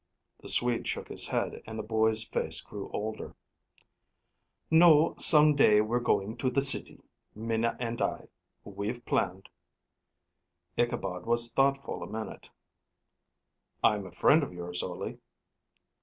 The Swede shook his head and the boy's face grew older. "No; some day, we're going to the city Minna and I. We've planned." Ichabod was thoughtful a minute. "I'm a friend of yours, Ole."